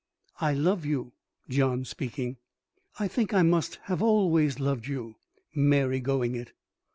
"I love you," (John speaking.) "I think I must have always loved you." (Mary going it.)